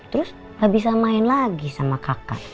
terus gak bisa main lagi sama kakak